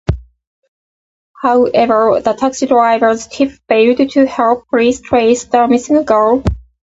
However, the taxi driver's tip failed to help police trace the missing girl.